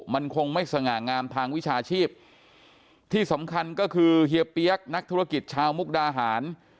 มันคงไม่สง่างามทางวิชาชีพที่สำคัญก็คือเฮียเปี๊ยกนักธุรกิจชาวมุกดาหาร